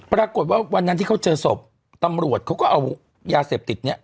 วันนั้นที่เขาเจอศพตำรวจเขาก็เอายาเสพติดเนี่ย